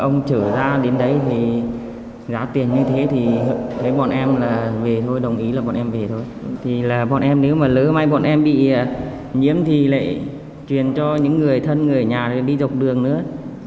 nếu mà lỡ mai bọn em bị nhiễm thì lại truyền cho những người thân người ở nhà đi dọc đường nữa